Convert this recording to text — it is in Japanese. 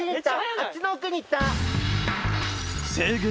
あっちの奥に行った。